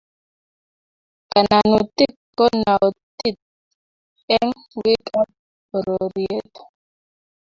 Kananutik ko naotin eng bik ab pororiet